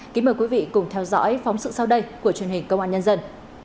kính mời quý vị cùng theo dõi phóng sự sau đây của truyền hình công an nhân dân